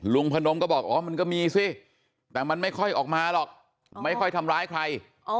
พนมก็บอกอ๋อมันก็มีสิแต่มันไม่ค่อยออกมาหรอกไม่ค่อยทำร้ายใคร